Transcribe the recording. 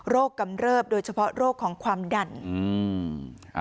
กำเริบโดยเฉพาะโรคของความดันอืม